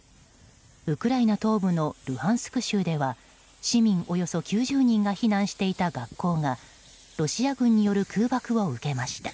ウクライナ東部のルハンスク州では市民およそ９０人が避難していた学校がロシア軍による空爆を受けました。